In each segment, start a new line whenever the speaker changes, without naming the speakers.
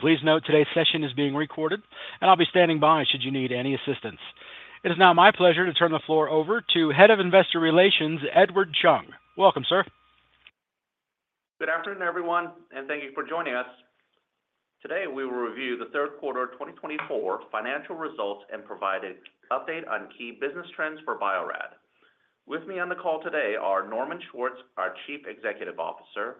Please note today's session is being recorded, and I'll be standing by should you need any assistance. It is now my pleasure to turn the floor over to Head of Investor Relations, Edward Chung. Welcome, sir.
Good afternoon, everyone, and thank you for joining us. Today, we will review the third quarter 2024 financial results and provide an update on key business trends for Bio-Rad. With me on the call today are Norman Schwartz, our Chief Executive Officer,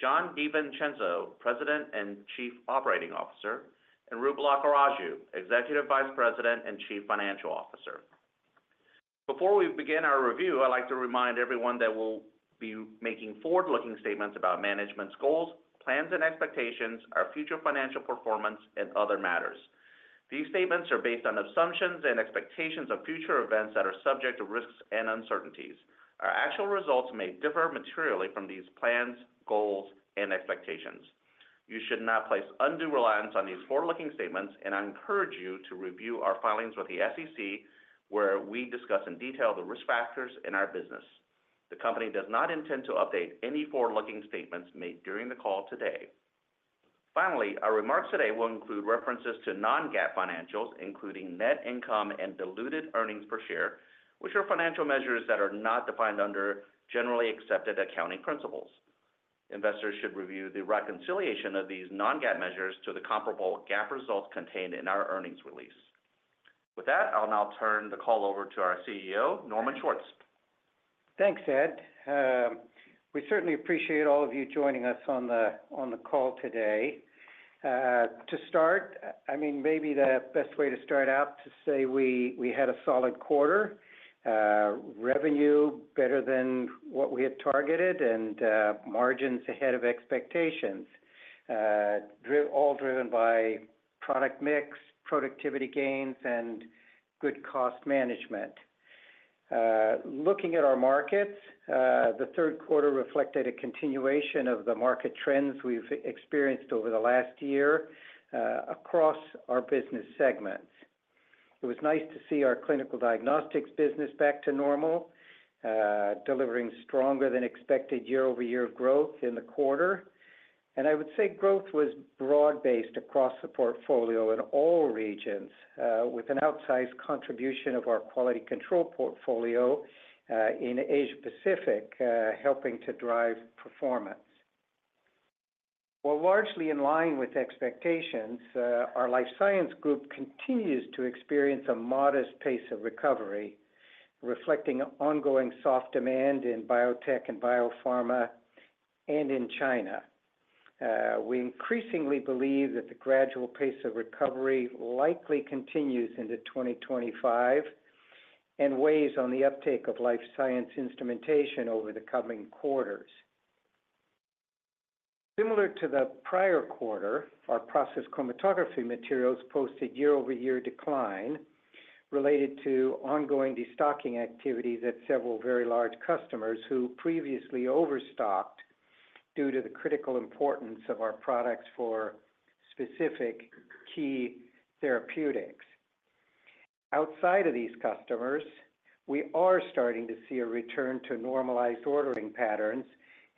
Jon DiVincenzo, President and Chief Operating Officer, and Roop Lakkaraju, Executive Vice President and Chief Financial Officer. Before we begin our review, I'd like to remind everyone that we'll be making forward-looking statements about management's goals, plans, and expectations, our future financial performance, and other matters. These statements are based on assumptions and expectations of future events that are subject to risks and uncertainties. Our actual results may differ materially from these plans, goals, and expectations. You should not place undue reliance on these forward-looking statements, and I encourage you to review our filings with the SEC, where we discuss in detail the risk factors in our business. The company does not intend to update any forward-looking statements made during the call today. Finally, our remarks today will include references to non-GAAP financials, including net income and diluted earnings per share, which are financial measures that are not defined under generally accepted accounting principles. Investors should review the reconciliation of these non-GAAP measures to the comparable GAAP results contained in our earnings release. With that, I'll now turn the call over to our CEO, Norman Schwartz.
Thanks, Ed. We certainly appreciate all of you joining us on the call today. To start, I mean, maybe the best way to start out to say we had a solid quarter: revenue better than what we had targeted, and margins ahead of expectations, all driven by product mix, productivity gains, and good cost management. Looking at our markets, the third quarter reflected a continuation of the market trends we've experienced over the last year across our business segments. It was nice to see our clinical diagnostics business back to normal, delivering stronger-than-expected year-over-year growth in the quarter, and I would say growth was broad-based across the portfolio in all regions, with an outsized contribution of our quality control portfolio in Asia-Pacific helping to drive performance. While largely in line with expectations, our life science group continues to experience a modest pace of recovery, reflecting ongoing soft demand in biotech and biopharma and in China. We increasingly believe that the gradual pace of recovery likely continues into 2025 and weighs on the uptake of life science instrumentation over the coming quarters. Similar to the prior quarter, our process chromatography materials posted year-over-year decline related to ongoing destocking activities at several very large customers who previously overstocked due to the critical importance of our products for specific key therapeutics. Outside of these customers, we are starting to see a return to normalized ordering patterns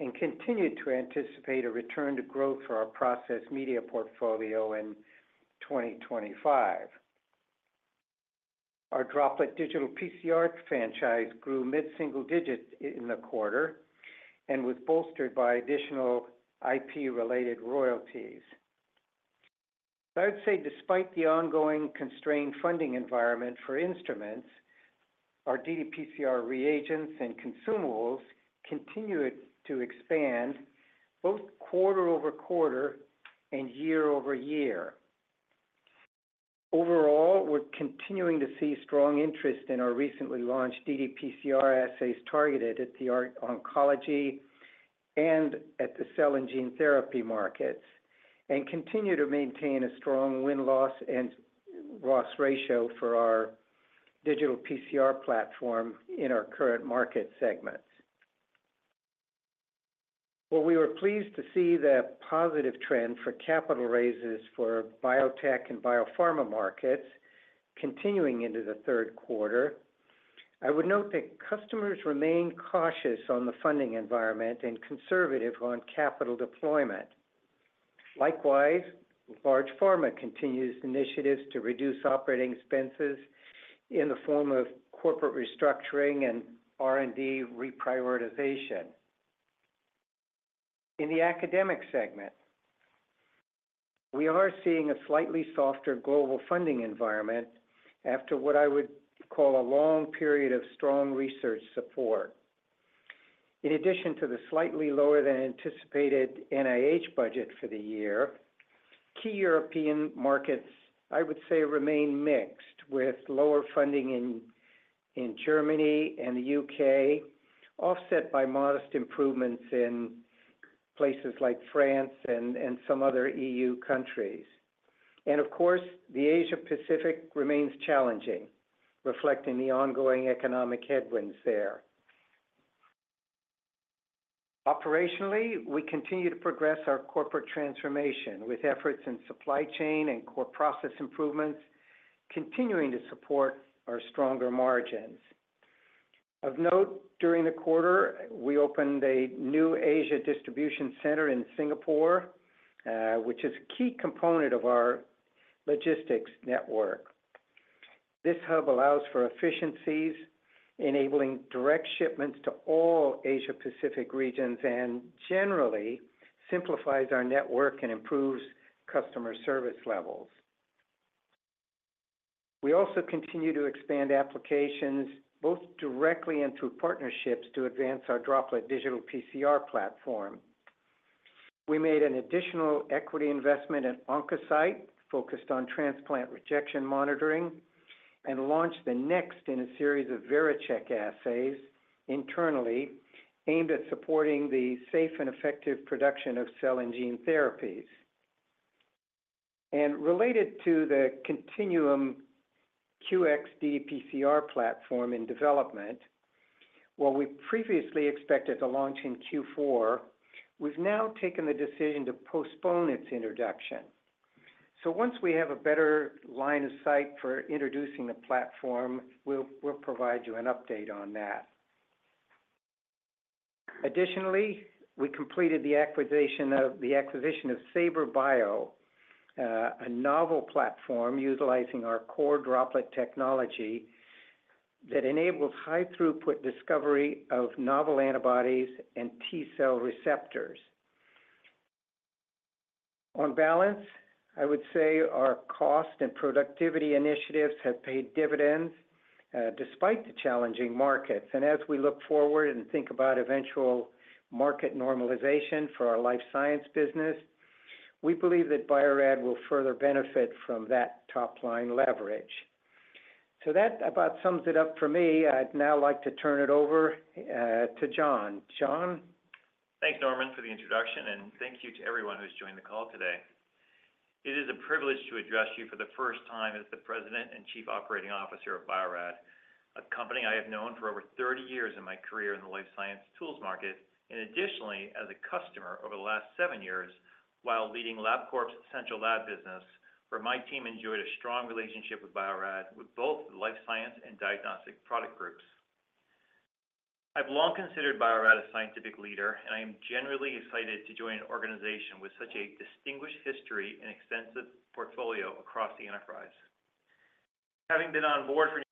and continue to anticipate a return to growth for our process media portfolio in 2025. Our Droplet Digital PCR franchise grew mid-single digits in the quarter and was bolstered by additional IP-related royalties. I would say, despite the ongoing constrained funding environment for instruments, our DDPCR reagents and consumables continued to expand both quarter over quarter and year over year. Overall, we're continuing to see strong interest in our recently launched DDPCR assays targeted at the oncology and at the cell and gene therapy markets and continue to maintain a strong win-loss and loss ratio for our digital PCR platform in our current market segments. We were pleased to see the positive trend for capital raises for biotech and biopharma markets continuing into the third quarter. I would note that customers remain cautious on the funding environment and conservative on capital deployment. Likewise, large pharma continues initiatives to reduce operating expenses in the form of corporate restructuring and R&D reprioritization. In the academic segment, we are seeing a slightly softer global funding environment after what I would call a long period of strong research support. In addition to the slightly lower-than-anticipated NIH budget for the year, key European markets, I would say, remain mixed with lower funding in Germany and the U.K., offset by modest improvements in places like France and some other EU countries. And of course, the Asia-Pacific remains challenging, reflecting the ongoing economic headwinds there. Operationally, we continue to progress our corporate transformation with efforts in supply chain and core process improvements, continuing to support our stronger margins. Of note, during the quarter, we opened a new Asia distribution center in Singapore, which is a key component of our logistics network. This hub allows for efficiencies, enabling direct shipments to all Asia-Pacific regions and generally simplifies our network and improves customer service levels. We also continue to expand applications both directly and through partnerships to advance our Droplet Digital PCR platform. We made an additional equity investment at Oncocyte, focused on transplant rejection monitoring, and launched the next in a series of VeriCheck assays internally aimed at supporting the safe and effective production of cell and gene therapies, and related to the Continuum QX DDPCR platform in development, while we previously expected to launch in Q4, we've now taken the decision to postpone its introduction, so once we have a better line of sight for introducing the platform, we'll provide you an update on that. Additionally, we completed the acquisition of Saber Bio, a novel platform utilizing our core Droplet technology that enables high-throughput discovery of novel antibodies and T-cell receptors. On balance, I would say our cost and productivity initiatives have paid dividends despite the challenging markets. And as we look forward and think about eventual market normalization for our life science business, we believe that Bio-Rad will further benefit from that top-line leverage. So that about sums it up for me. I'd now like to turn it over to Jon. Jon.
Thanks, Norman, for the introduction, and thank you to everyone who's joined the call today. It is a privilege to address you for the first time as the President and Chief Operating Officer of Bio-Rad, a company I have known for over 30 years in my career in the life science tools market, and additionally as a customer over the last seven years while leading LabCorp's essential lab business, where my team enjoyed a strong relationship with Bio-Rad with both the life science and diagnostic product groups. I've long considered Bio-Rad a scientific leader, and I am genuinely excited to join an organization with such a distinguished history and extensive portfolio across the enterprise. Having been on board for years,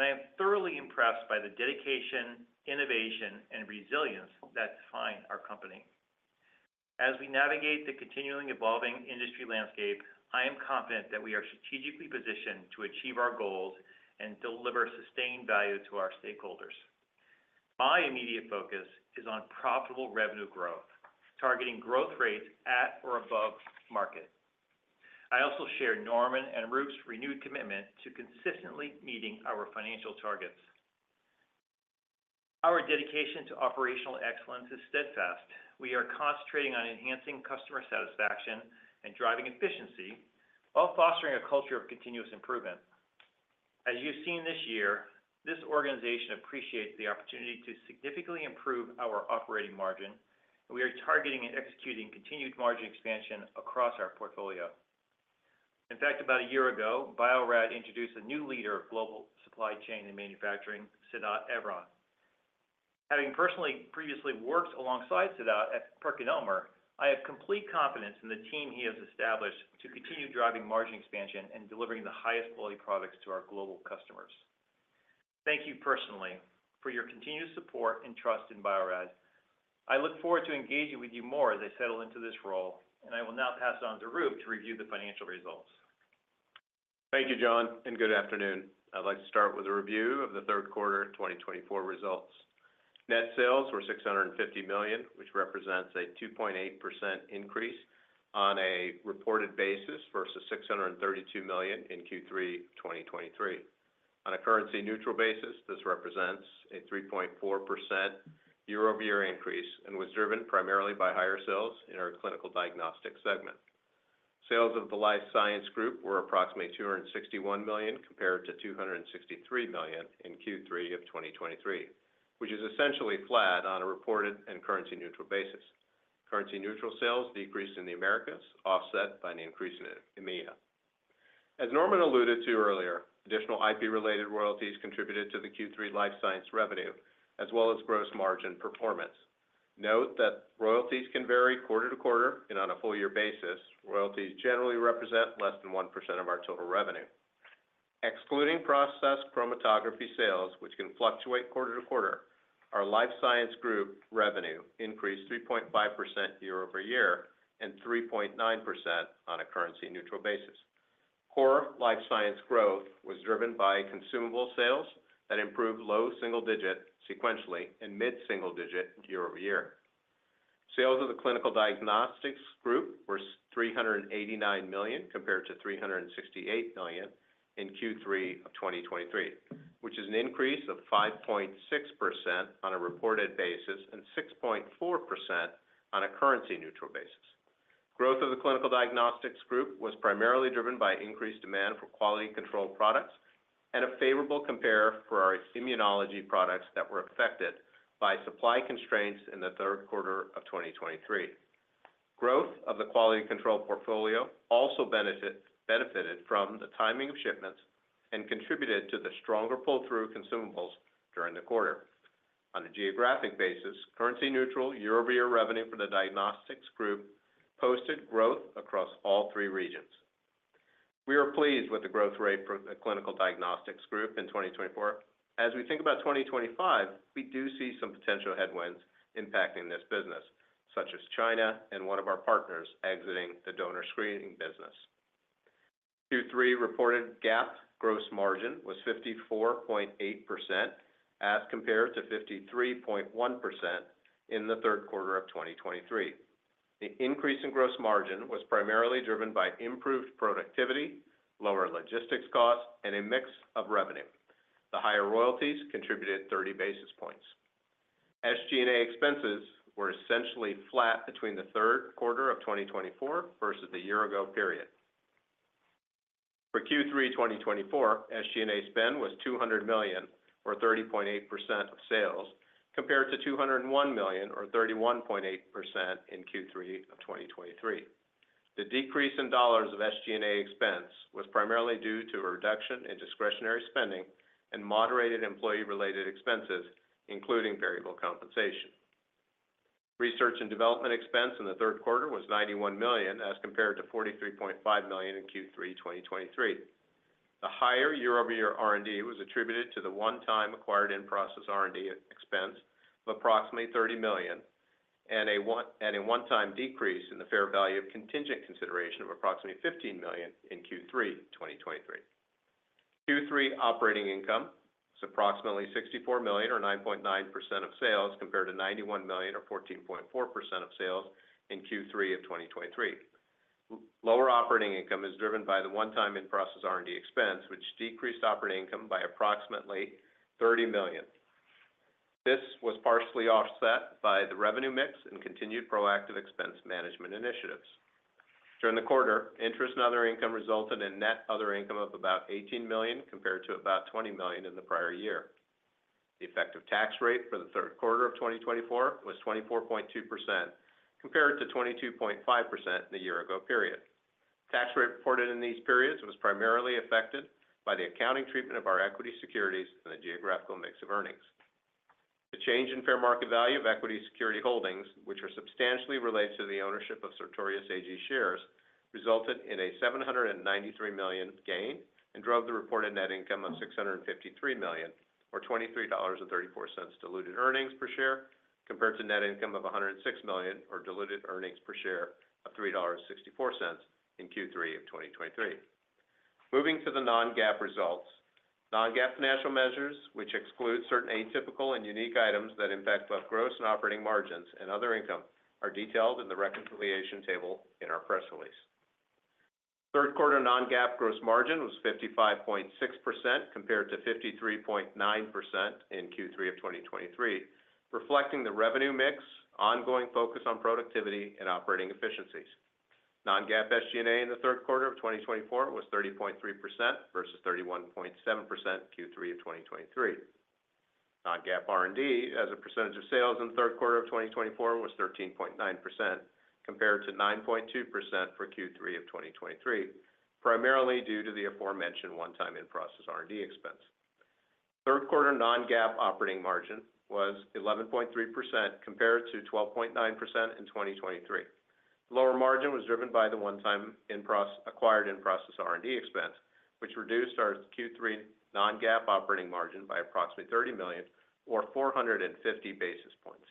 I am thoroughly impressed by the dedication, innovation, and resilience that define our company. As we navigate the continually evolving industry landscape, I am confident that we are strategically positioned to achieve our goals and deliver sustained value to our stakeholders. My immediate focus is on profitable revenue growth, targeting growth rates at or above market. I also share Norman and Roop's renewed commitment to consistently meeting our financial targets. Our dedication to operational excellence is steadfast. We are concentrating on enhancing customer satisfaction and driving efficiency while fostering a culture of continuous improvement. As you've seen this year, this organization appreciates the opportunity to significantly improve our operating margin, and we are targeting and executing continued margin expansion across our portfolio. In fact, about a year ago, Bio-Rad introduced a new leader of global supply chain and manufacturing, Siddharth Vora. Having personally previously worked alongside Siddharth at PerkinElmer, I have complete confidence in the team he has established to continue driving margin expansion and delivering the highest quality products to our global customers. Thank you personally for your continued support and trust in Bio-Rad. I look forward to engaging with you more as I settle into this role, and I will now pass it on to Roop to review the financial results.
Thank you, Jon, and good afternoon. I'd like to start with a review of the third quarter 2024 results. Net sales were $650 million, which represents a 2.8% increase on a reported basis versus $632 million in Q3 2023. On a currency-neutral basis, this represents a 3.4% year-over-year increase and was driven primarily by higher sales in our clinical diagnostic segment. Sales of the life science group were approximately $261 million compared to $263 million in Q3 of 2023, which is essentially flat on a reported and currency-neutral basis. Currency-neutral sales decreased in the Americas, offset by an increase in EMEA. As Norman alluded to earlier, additional IP-related royalties contributed to the Q3 life science revenue, as well as gross margin performance. Note that royalties can vary quarter to quarter, and on a full-year basis, royalties generally represent less than 1% of our total revenue. Excluding process chromatography sales, which can fluctuate quarter to quarter, our life science group revenue increased 3.5% year-over-year and 3.9% on a currency-neutral basis. Core life science growth was driven by consumable sales that improved low single digit sequentially and mid-single digit year-over-year. Sales of the clinical diagnostics group were $389 million compared to $368 million in Q3 of 2023, which is an increase of 5.6% on a reported basis and 6.4% on a currency-neutral basis. Growth of the clinical diagnostics group was primarily driven by increased demand for quality control products and a favorable compare for our immunology products that were affected by supply constraints in the third quarter of 2023. Growth of the quality control portfolio also benefited from the timing of shipments and contributed to the stronger pull-through consumables during the quarter. On a geographic basis, currency-neutral year-over-year revenue for the diagnostics group posted growth across all three regions. We are pleased with the growth rate for the clinical diagnostics group in 2024. As we think about 2025, we do see some potential headwinds impacting this business, such as China and one of our partners exiting the donor screening business. Q3 reported GAAP gross margin was 54.8% as compared to 53.1% in the third quarter of 2023. The increase in gross margin was primarily driven by improved productivity, lower logistics costs, and a mix of revenue. The higher royalties contributed 30 basis points. SG&A expenses were essentially flat between the third quarter of 2024 versus the year-ago period. For Q3 2024, SG&A spend was $200 million, or 30.8% of sales, compared to $201 million, or 31.8% in Q3 of 2023. The decrease in dollars of SG&A expense was primarily due to a reduction in discretionary spending and moderated employee-related expenses, including variable compensation. Research and development expense in the third quarter was $91 million as compared to $43.5 million in Q3 2023. The higher year-over-year R&D was attributed to the one-time acquired in-process R&D expense of approximately. $30 million and a one-time decrease in the fair value of contingent consideration of approximately $15 million in Q3 2023. Q3 operating income was approximately $64 million, or 9.9% of sales, compared to $91 million, or 14.4% of sales in Q3 of 2023. Lower operating income is driven by the one-time in-process R&D expense, which decreased operating income by approximately $30 million. This was partially offset by the revenue mix and continued proactive expense management initiatives. During the quarter, interest and other income resulted in net other income of about $18 million compared to about $20 million in the prior year. The effective tax rate for the third quarter of 2024 was 24.2% compared to 22.5% in the year-ago period. The tax rate reported in these periods was primarily affected by the accounting treatment of our equity securities and the geographical mix of earnings. The change in fair market value of equity security holdings, which are substantially related to the ownership of Sartorius AG shares, resulted in a $793 million gain and drove the reported net income of $653 million, or $23.34 diluted earnings per share, compared to net income of $106 million, or diluted earnings per share of $3.64 in Q3 of 2023. Moving to the non-GAAP results, non-GAAP financial measures, which exclude certain atypical and unique items that impact both gross and operating margins and other income, are detailed in the reconciliation table in our press release. Third quarter non-GAAP gross margin was 55.6% compared to 53.9% in Q3 of 2023, reflecting the revenue mix, ongoing focus on productivity, and operating efficiencies. Non-GAAP SG&A in the third quarter of 2024 was 30.3% versus 31.7% Q3 of 2023. Non-GAAP R&D as a percentage of sales in the third quarter of 2024 was 13.9% compared to 9.2% for Q3 of 2023, primarily due to the aforementioned one-time in-process R&D expense. Third quarter non-GAAP operating margin was 11.3% compared to 12.9% in 2023. Lower margin was driven by the one-time acquired in-process R&D expense, which reduced our Q3 non-GAAP operating margin by approximately $30 million, or 450 basis points.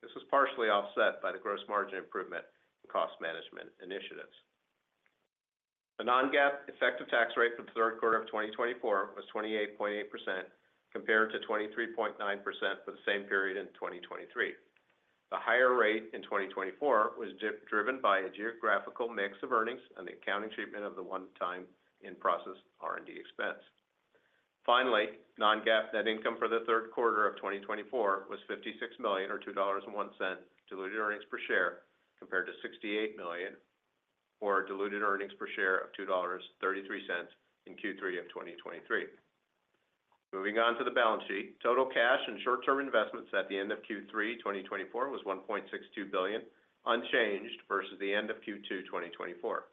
This was partially offset by the gross margin improvement and cost management initiatives. The non-GAAP effective tax rate for the third quarter of 2024 was 28.8% compared to 23.9% for the same period in 2023. The higher rate in 2024 was driven by a geographical mix of earnings and the accounting treatment of the one-time in-process R&D expense. Finally, non-GAAP net income for the third quarter of 2024 was $56 million, or $2.01 diluted earnings per share, compared to $68 million, or diluted earnings per share of $2.33 in Q3 of 2023. Moving on to the balance sheet, total cash and short-term investments at the end of Q3 2024 was $1.62 billion, unchanged versus the end of Q2 2024.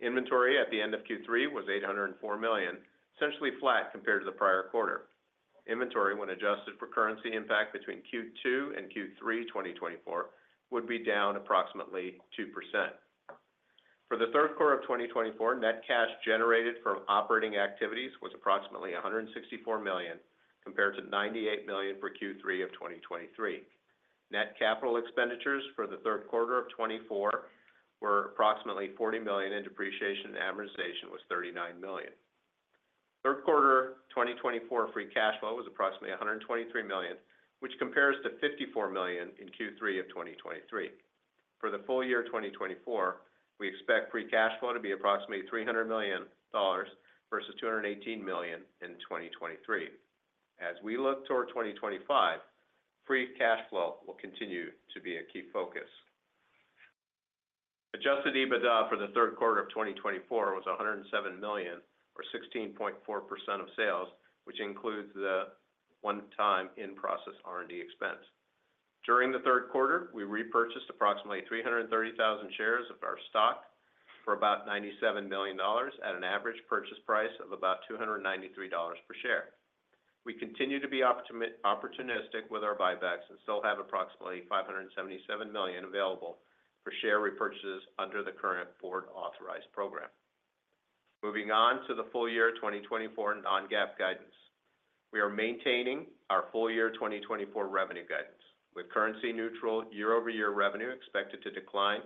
Inventory at the end of Q3 was $804 million, essentially flat compared to the prior quarter. Inventory, when adjusted for currency impact between Q2 and Q3 2024, would be down approximately 2%. For the third quarter of 2024, net cash generated from operating activities was approximately $164 million compared to $98 million for Q3 of 2023. Net capital expenditures for the third quarter of 2024 were approximately $40 million, and depreciation and amortization was $39 million. Third quarter 2024 free cash flow was approximately $123 million, which compares to $54 million in Q3 of 2023. For the full year 2024, we expect free cash flow to be approximately $300 million versus $218 million in 2023. As we look toward 2025, free cash flow will continue to be a key focus. Adjusted EBITDA for the third quarter of 2024 was $107 million, or 16.4% of sales, which includes the one-time in-process R&D expense. During the third quarter, we repurchased approximately 330,000 shares of our stock for about $97 million at an average purchase price of about $293 per share. We continue to be opportunistic with our buybacks and still have approximately $577 million available for share repurchases under the current board-authorized program. Moving on to the full year 2024 non-GAAP guidance. We are maintaining our full year 2024 revenue guidance, with currency-neutral year-over-year revenue expected to decline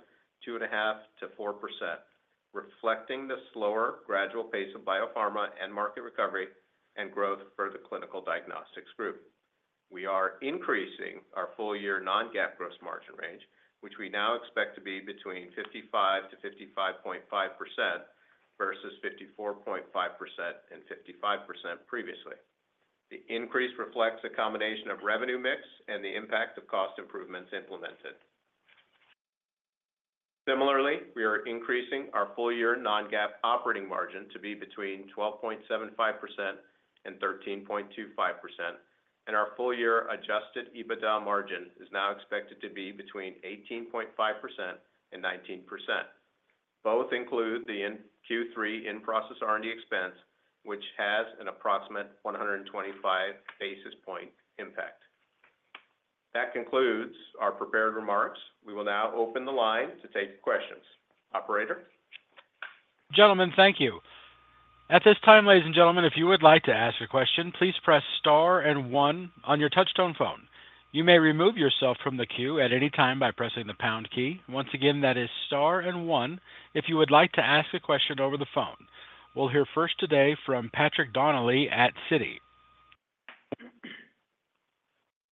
2.5%-4%, reflecting the slower gradual pace of biopharma and market recovery and growth for the clinical diagnostics group. We are increasing our full year non-GAAP gross margin range, which we now expect to be between 55%-55.5% versus 54.5% and 55% previously. The increase reflects a combination of revenue mix and the impact of cost improvements implemented. Similarly, we are increasing our full year Non-GAAP operating margin to be between 12.75% and 13.25%, and our full year Adjusted EBITDA margin is now expected to be between 18.5% and 19%. Both include the Q3 in-process R&D expense, which has an approximate 125 basis point impact. That concludes our prepared remarks. We will now open the line to take questions. Operator.
Gentlemen, thank you. At this time, ladies and gentlemen, if you would like to ask a question, please press star and one on your touchstone phone. You may remove yourself from the queue at any time by pressing the pound key. Once again, that is star and one if you would like to ask a question over the phone. We'll hear first today from Patrick Donnelly at Citi.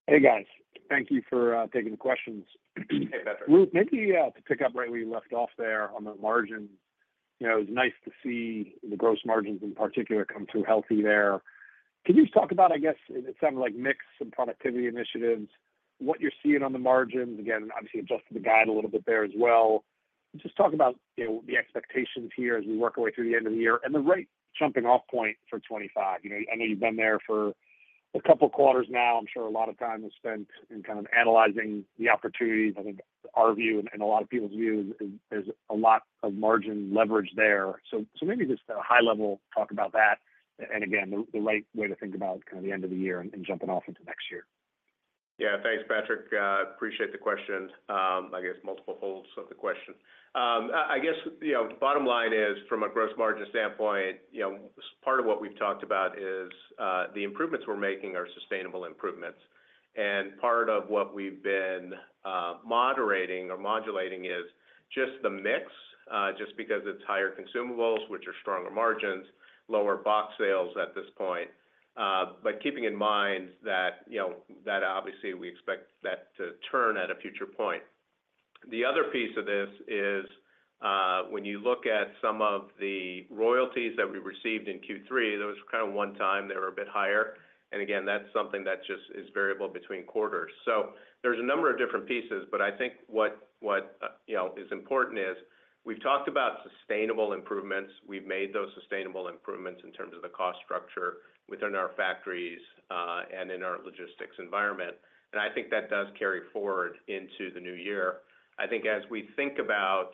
Hey, guys. Thank you for taking the questions.
Hey, Patrick.
Roop, maybe to pick up right where you left off there on the margins, it was nice to see the gross margins in particular come through healthy there. Can you just talk about, I guess, it sounded like mix and productivity initiatives, what you're seeing on the margins? Again, obviously adjusted the guide a little bit there as well. Just talk about the expectations here as we work our way through the end of the year and the right jumping-off point for 2025. I know you've been there for a couple of quarters now. I'm sure a lot of time was spent in kind of analyzing the opportunities. I think our view and a lot of people's view is there's a lot of margin leverage there. So, maybe just a high-level talk about that and, again, the right way to think about kind of the end of the year and jumping off into next year.
Yeah, thanks, Patrick. Appreciate the question. I guess multiple folds of the question. I guess the bottom line is, from a gross margin standpoint, part of what we've talked about is the improvements we're making are sustainable improvements. And part of what we've been moderating or modulating is just the mix, just because it's higher consumables, which are stronger margins, lower box sales at this point, but keeping in mind that obviously we expect that to turn at a future point. The other piece of this is, when you look at some of the royalties that we received in Q3, there was kind of one time they were a bit higher. And again, that's something that just is variable between quarters. So there's a number of different pieces, but I think what is important is we've talked about sustainable improvements. We've made those sustainable improvements in terms of the cost structure within our factories and in our logistics environment. And I think that does carry forward into the new year. I think as we think about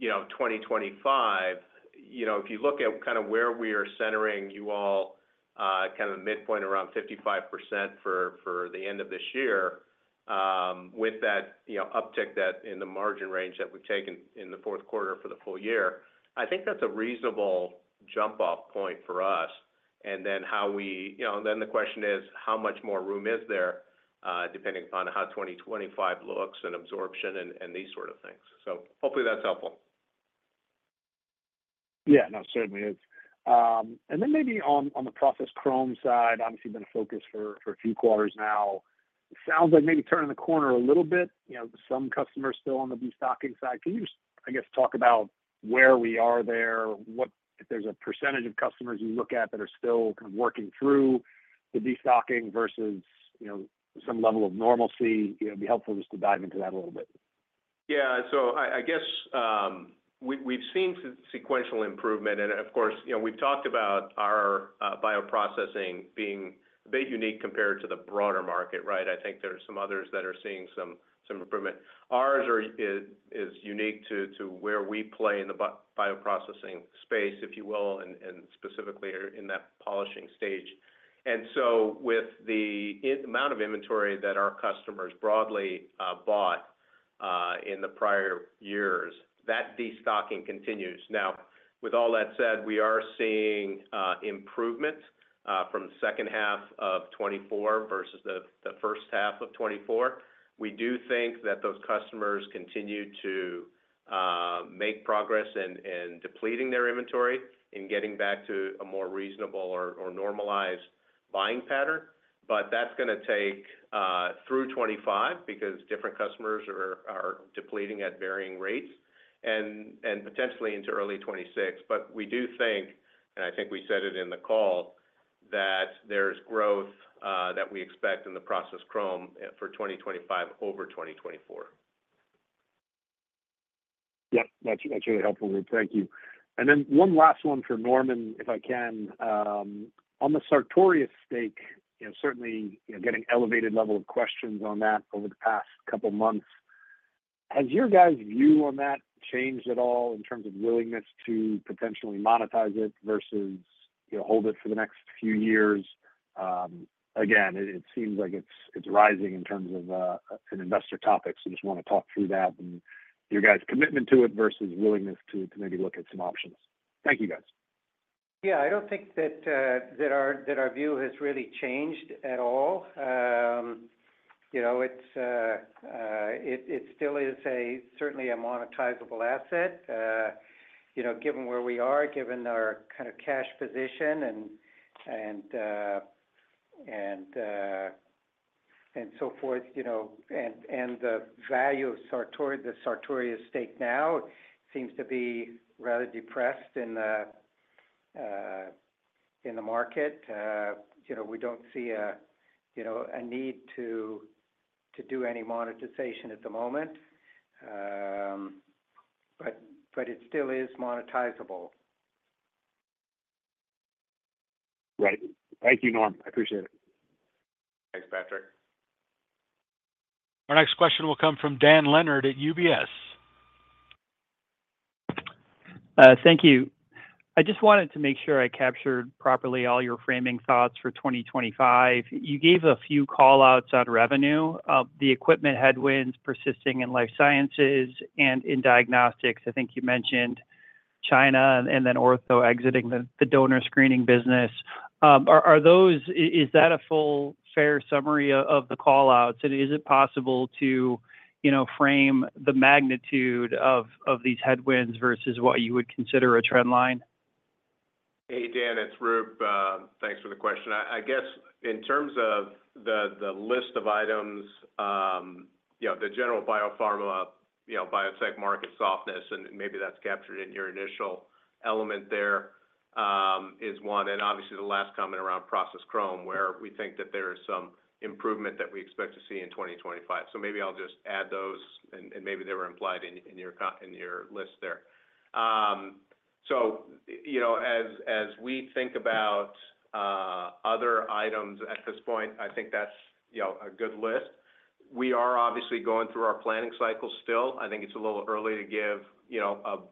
2025, if you look at kind of where we are centering you all, kind of the midpoint around 55% for the end of this year, with that uptick in the margin range that we've taken in the fourth quarter for the full year, I think that's a reasonable jump-off point for us. And then how we then the question is, how much more room is there depending upon how 2025 looks and absorption and these sort of things? So hopefully that's helpful.
Yeah, no, certainly is. And then maybe on the process chromatography side, obviously been a focus for a few quarters now. It sounds like maybe turning the corner a little bit. Some customers still on the destocking side. Can you just, I guess, talk about where we are there, if there's a percentage of customers you look at that are still kind of working through the destocking versus some level of normalcy? It'd be helpful just to dive into that a little bit.
Yeah. So I guess we've seen sequential improvement. And of course, we've talked about our bioprocessing being a bit unique compared to the broader market, right? I think there are some others that are seeing some improvement. Ours is unique to where we play in the bioprocessing space, if you will, and specifically in that polishing stage. And so with the amount of inventory that our customers broadly bought in the prior years, that destocking continues. Now, with all that said, we are seeing improvement from the second half of 2024 versus the first half of 2024. We do think that those customers continue to make progress in depleting their inventory and getting back to a more reasonable or normalized buying pattern. But that's going to take through 2025 because different customers are depleting at varying rates and potentially into early 2026. But we do think, and I think we said it in the call, that there's growth that we expect in the process chrome for 2025 over 2024.
Yep. That's really helpful, Roop. Thank you. And then one last one for Norman, if I can. On the Sartorius stake, certainly getting an elevated level of questions on that over the past couple of months. Has your guys' view on that changed at all in terms of willingness to potentially monetize it versus hold it for the next few years? Again, it seems like it's rising in terms of an investor topic. So just want to talk through that and your guys' commitment to it versus willingness to maybe look at some options. Thank you, guys.
Yeah, I don't think that our view has really changed at all. It still is certainly a monetizable asset, given where we are, given our kind of cash position and so forth. And the value of the Sartorius stake now seems to be rather depressed in the market. We don't see a need to do any monetization at the moment, but it still is monetizable.
Right. Thank you, Norm. I appreciate it.
Thanks, Patrick.
Our next question will come from Dan Leonard at UBS.
Thank you. I just wanted to make sure I captured properly all your framing thoughts for 2025. You gave a few callouts on revenue, the equipment headwinds persisting in life sciences and in diagnostics. I think you mentioned China and then Ortho exiting the donor screening business. Is that a full, fair summary of the callouts? And is it possible to frame the magnitude of these headwinds versus what you would consider a trend line?
Hey, Dan, it's Roop. Thanks for the question. I guess in terms of the list of items, the general biopharma, biotech market softness, and maybe that's captured in your initial element there, is one, and obviously, the last comment around process chromatography, where we think that there is some improvement that we expect to see in 2025, so maybe I'll just add those, and maybe they were implied in your list there, so as we think about other items at this point, I think that's a good list. We are obviously going through our planning cycle still. I think it's a little early to give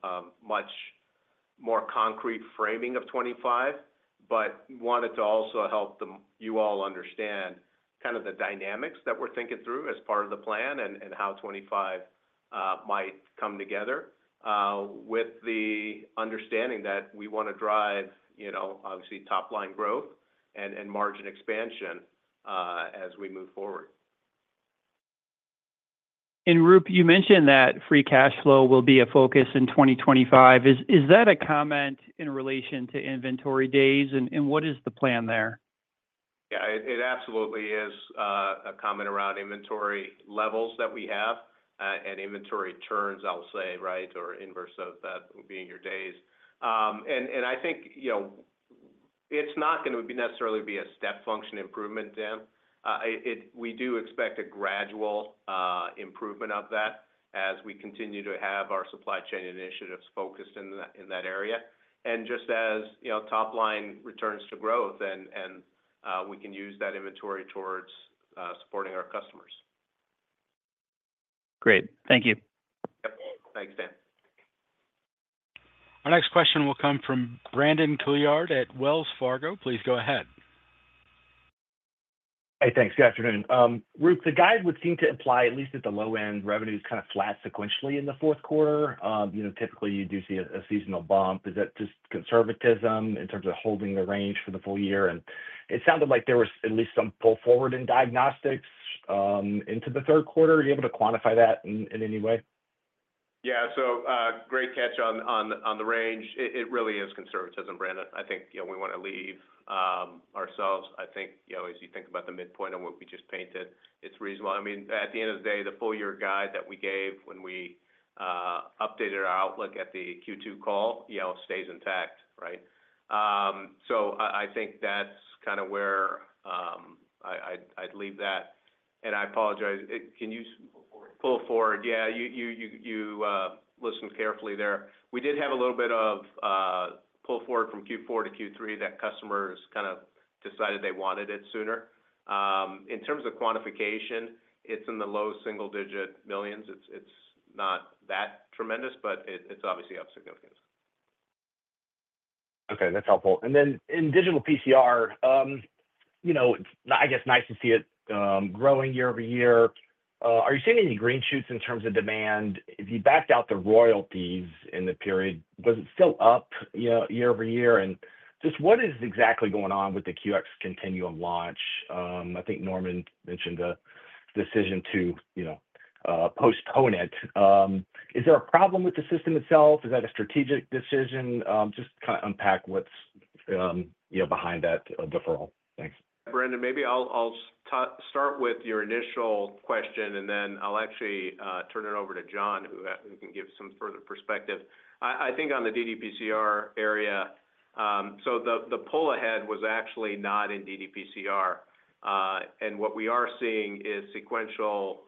a much more concrete framing of 2025, but wanted to also help you all understand kind of the dynamics that we're thinking through as part of the plan and how 2025 might come together with the understanding that we want to drive, obviously, top-line growth and margin expansion as we move forward.
Roop, you mentioned that free cash flow will be a focus in 2025. Is that a comment in relation to inventory days, and what is the plan there?
Yeah, it absolutely is a comment around inventory levels that we have and inventory turns, I'll say, right, or inverse of that being your days. And I think it's not going to necessarily be a step function improvement, Dan. We do expect a gradual improvement of that as we continue to have our supply chain initiatives focused in that area. And just as top-line returns to growth, and we can use that inventory towards supporting our customers.
Great. Thank you.
Yep. Thanks, Dan.
Our next question will come from Brandon Couillard at Wells Fargo. Please go ahead.
Hey, thanks. Good afternoon. Roop, the guide would seem to imply, at least at the low end, revenue is kind of flat sequentially in the fourth quarter. Typically, you do see a seasonal bump. Is that just conservatism in terms of holding the range for the full year? And it sounded like there was at least some pull forward in diagnostics into the third quarter. Are you able to quantify that in any way?
Yeah. So great catch on the range. It really is conservatism, Brandon. I think we want to leave ourselves. I think as you think about the midpoint and what we just painted, it's reasonable. I mean, at the end of the day, the full year guide that we gave when we updated our outlook at the Q2 call stays intact, right? So I think that's kind of where I'd leave that. And I apologize. Can you?
Pull forward.
Pull forward. Yeah. You listened carefully there. We did have a little bit of pull forward from Q4 to Q3 that customers kind of decided they wanted it sooner. In terms of quantification, it's in the low single-digit millions. It's not that tremendous, but it's obviously of significance.
Okay. That's helpful. And then in digital PCR, I guess nice to see it growing year over year. Are you seeing any green shoots in terms of demand? If you backed out the royalties in the period, was it still up year over year? And just what is exactly going on with the Continuum QX launch? I think Norman mentioned a decision to postpone it. Is there a problem with the system itself? Is that a strategic decision? Just kind of unpack what's behind that deferral. Thanks.
Brandon, maybe I'll start with your initial question, and then I'll actually turn it over to John, who can give some further perspective. I think on the ddPCR area, so the pull ahead was actually not in ddPCR, and what we are seeing is sequential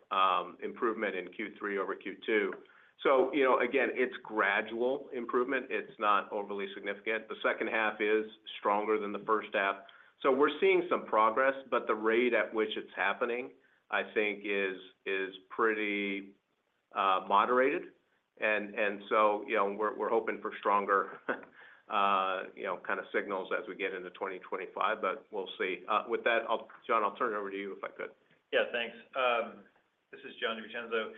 improvement in Q3 over Q2, so again, it's gradual improvement. It's not overly significant. The second half is stronger than the first half, so we're seeing some progress, but the rate at which it's happening, I think, is pretty moderated, and so we're hoping for stronger kind of signals as we get into 2025, but we'll see. With that, John, I'll turn it over to you if I could.
Yeah, thanks. This is Jon DiVincenzo.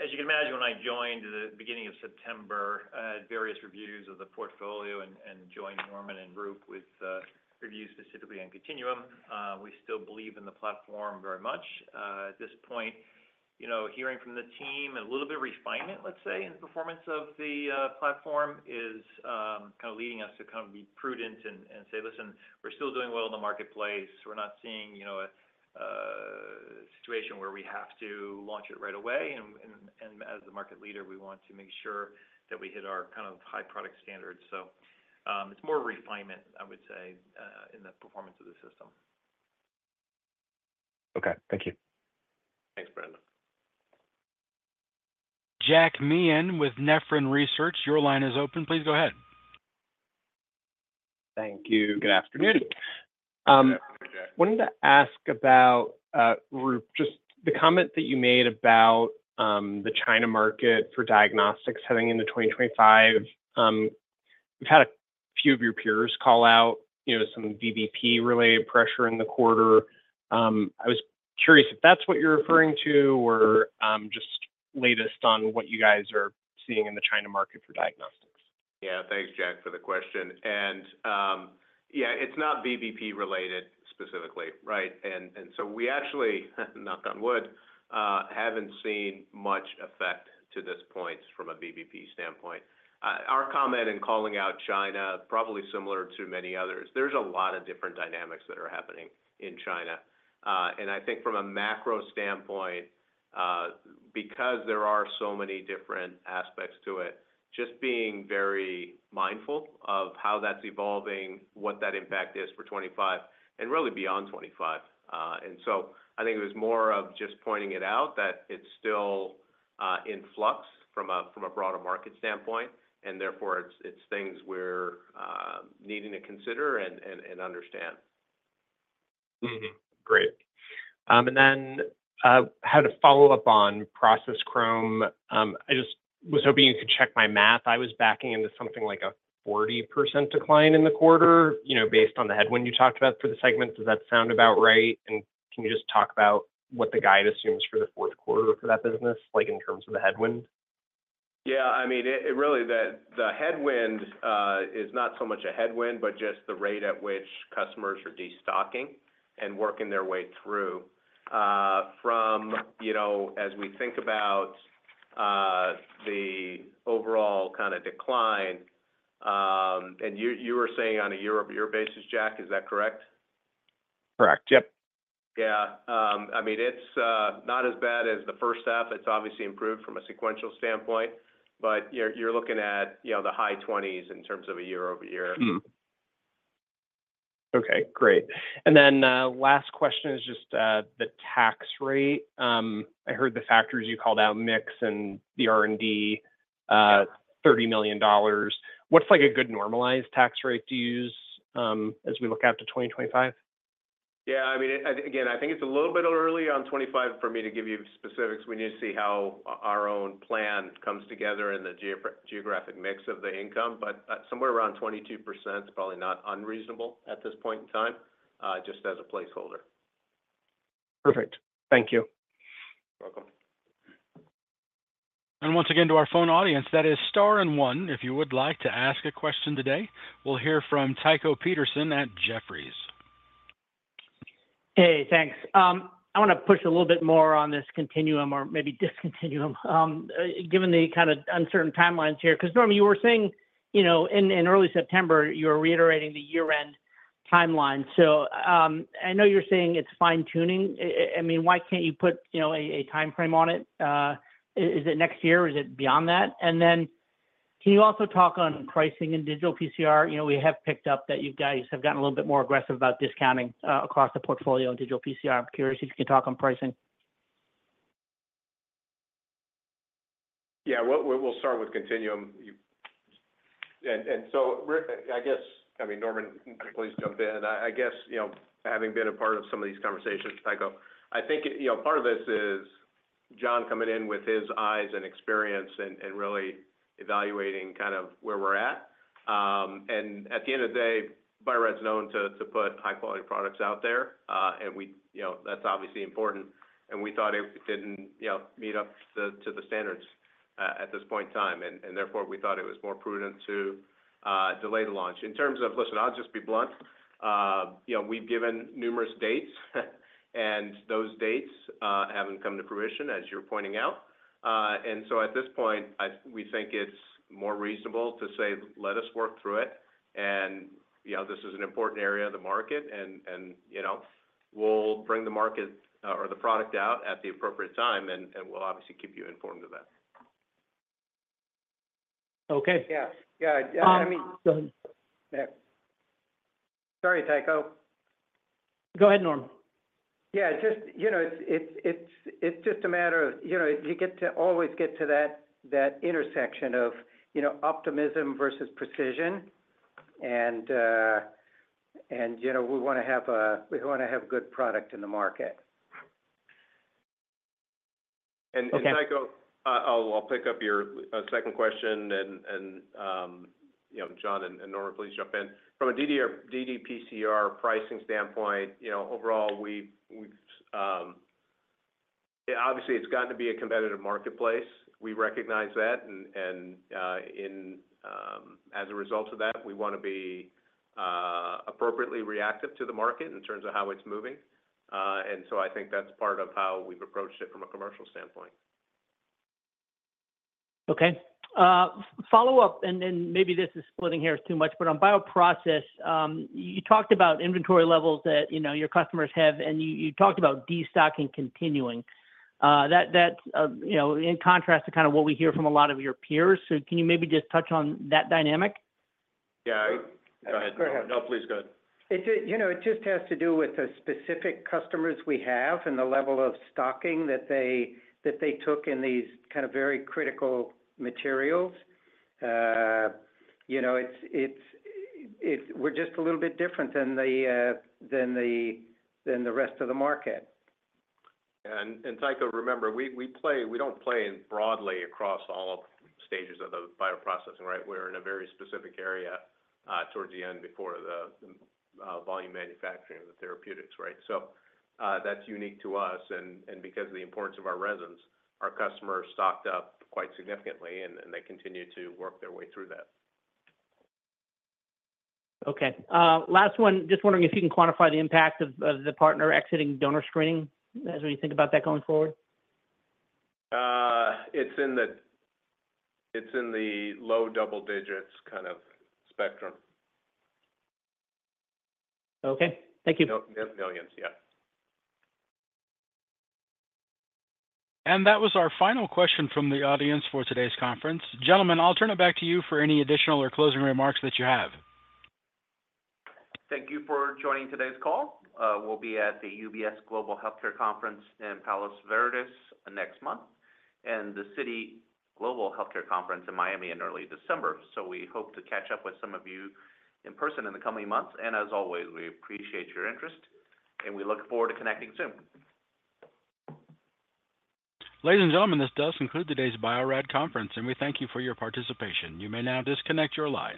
As you can imagine, when I joined at the beginning of September, I had various reviews of the portfolio and joined Norman and Roop with reviews specifically on Continuum. We still believe in the platform very much. At this point, hearing from the team and a little bit of refinement, let's say, in the performance of the platform is kind of leading us to kind of be prudent and say, "Listen, we're still doing well in the marketplace. We're not seeing a situation where we have to launch it right away." And as the market leader, we want to make sure that we hit our kind of high product standards. So it's more refinement, I would say, in the performance of the system.
Okay. Thank you.
Thanks, Brandon.
Jack Meehan with Nephron Research. Your line is open. Please go ahead.
Thank you. Good afternoon.
Good afternoon, Jack.
I wanted to ask about, Roop, just the comment that you made about the China market for diagnostics heading into 2025. We've had a few of your peers call out some VBP-related pressure in the quarter. I was curious if that's what you're referring to or just latest on what you guys are seeing in the China market for diagnostics.
Yeah. Thanks, Jack, for the question. And yeah, it's not VBP-related specifically, right? And so we actually, knock on wood, haven't seen much effect to this point from a VBP standpoint. Our comment in calling out China is probably similar to many others. There's a lot of different dynamics that are happening in China. And I think from a macro standpoint, because there are so many different aspects to it, just being very mindful of how that's evolving, what that impact is for 2025, and really beyond 2025. And so I think it was more of just pointing it out that it's still in flux from a broader market standpoint, and therefore, it's things we're needing to consider and understand.
Great. And then I had a follow-up on Process Chromatography. I just was hoping you could check my math. I was backing into something like a 40% decline in the quarter based on the headwind you talked about for the segment. Does that sound about right? And can you just talk about what the guide assumes for the fourth quarter for that business in terms of the headwind?
Yeah. I mean, really, the headwind is not so much a headwind, but just the rate at which customers are destocking and working their way through from as we think about the overall kind of decline. And you were saying on a year-over-year basis, Jack, is that correct?
Correct. Yep.
Yeah. I mean, it's not as bad as the first half. It's obviously improved from a sequential standpoint, but you're looking at the high 20s in terms of a year-over-year.
Okay. Great. And then last question is just the tax rate. I heard the factors you called out, mix and the R&D, $30 million. What's a good normalized tax rate to use as we look out to 2025?
Yeah. I mean, again, I think it's a little bit early on 2025 for me to give you specifics. We need to see how our own plan comes together and the geographic mix of the income. But somewhere around 22% is probably not unreasonable at this point in time, just as a placeholder.
Perfect. Thank you.
You're welcome.
And once again, to our phone audience, that is star and one, if you would like to ask a question today. We'll hear from Tycho Peterson at Jefferies.
Hey, thanks. I want to push a little bit more on this continuum or maybe discontinuum, given the kind of uncertain timelines here. Because Norman, you were saying in early September, you were reiterating the year-end timeline. So I know you're saying it's fine-tuning. I mean, why can't you put a timeframe on it? Is it next year? Is it beyond that? And then can you also talk on pricing in digital PCR? We have picked up that you guys have gotten a little bit more aggressive about discounting across the portfolio in digital PCR. I'm curious if you can talk on pricing.
Yeah. We'll start with Continuum. And so I guess, I mean, Norman, please jump in. I guess having been a part of some of these conversations, Tycho, I think part of this is Jon coming in with his eyes and experience and really evaluating kind of where we're at. And at the end of the day, Bio-Rad is known to put high-quality products out there, and that's obviously important. And we thought it didn't meet up to the standards at this point in time. And therefore, we thought it was more prudent to delay the launch. In terms of, listen, I'll just be blunt. We've given numerous dates, and those dates haven't come to fruition, as you're pointing out. And so at this point, we think it's more reasonable to say, "Let us work through it." And this is an important area of the market, and we'll bring the market or the product out at the appropriate time, and we'll obviously keep you informed of that.
Okay.
Yeah. Yeah. I mean.
Sorry, Tycho. Go ahead, Norman. Yeah. It's just a matter of you always get to that intersection of optimism versus precision, and we want to have a good product in the market. And.
And Tycho, I'll pick up your second question. And John and Norman, please jump in. From a DDPCR pricing standpoint, overall, obviously, it's gotten to be a competitive marketplace. We recognize that. And as a result of that, we want to be appropriately reactive to the market in terms of how it's moving. And so I think that's part of how we've approached it from a commercial standpoint.
Okay. Follow-up, and then maybe this is splitting hairs too much, but on bioprocess, you talked about inventory levels that your customers have, and you talked about destocking continuing. That's in contrast to kind of what we hear from a lot of your peers. So can you maybe just touch on that dynamic? Yeah. Go ahead. No, please go ahead. It just has to do with the specific customers we have and the level of stocking that they took in these kind of very critical materials. We're just a little bit different than the rest of the market.
Yeah. And Tycho, remember, we don't play broadly across all stages of the bioprocessing, right? We're in a very specific area towards the end before the volume manufacturing of the therapeutics, right? So that's unique to us. And because of the importance of our resins, our customers stocked up quite significantly, and they continue to work their way through that.
Okay. Last one. Just wondering if you can quantify the impact of the partner exiting donor screening as we think about that going forward?
It's in the low double digits kind of spectrum.
Okay. Thank you.
Millions. Yeah.
That was our final question from the audience for today's conference. Gentlemen, I'll turn it back to you for any additional or closing remarks that you have.
Thank you for joining today's call. We'll be at the UBS Global Healthcare Conference in Palos Verdes next month and the Citi Global Healthcare Conference in Miami in early December, so we hope to catch up with some of you in person in the coming months, and as always, we appreciate your interest, and we look forward to connecting soon.
Ladies and gentlemen, this does conclude today's Bio-Rad Conference, and we thank you for your participation. You may now disconnect your line.